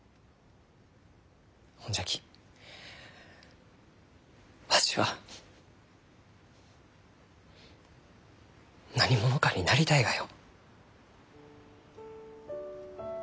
ほんじゃきわしは何者かになりたいがよ。